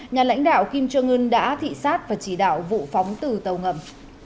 nhà lãnh đạo kim jong un đã thị xát và chỉ đạo vụ phóng từ tàu ngầm